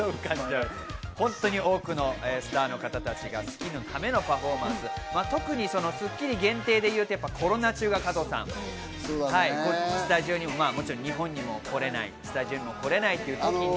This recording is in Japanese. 本当に多くのスターの方たちが『スッキリ』のためのパフォーマンス、特に『スッキリ』限定で言うと、コロナ中が加藤さん、スタジオにもね、もちろん日本にも来れない、スタジオにも来れないという時に。